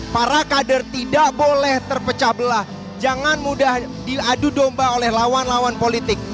para kader tidak boleh terpecah belah jangan mudah diadu domba oleh lawan lawan politik